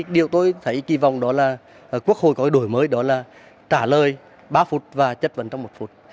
điều tôi thấy kỳ vọng đó là quốc hội có đổi mới đó là trả lời ba phút và chất vấn trong một phút